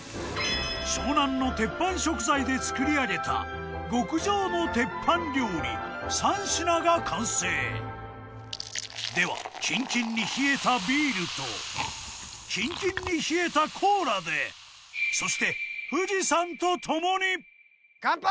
湘南のテッパン食材で作り上げた極上の鉄板料理３品が完成！ではキンキンに冷えたビールとキンキンに冷えたコーラでそして乾杯！